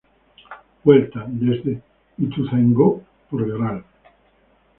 Vuelta: Desde Ituzaingó por Gral.